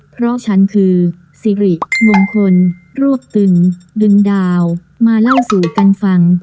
เพราะฉันคือสิริมงคลรวบตึงดึงดาวมาเล่าสู่กันฟัง